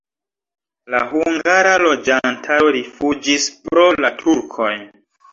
La hungara loĝantaro rifuĝis pro la turkoj.